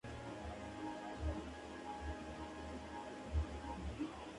Jugó en el club durante una temporada antes de ser traspasado al St.